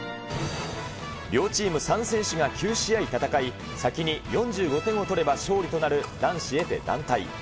両チーム３選手が９試合戦い、先に４５点を取れば勝利となる男子エペ団体。